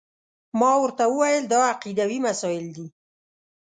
ما ورته وویل دا عقیدوي مسایل دي.